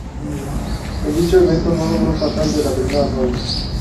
En dicho evento no logró pasar de la primera ronda.